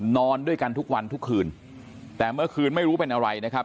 นอนด้วยกันทุกวันทุกคืนแต่เมื่อคืนไม่รู้เป็นอะไรนะครับ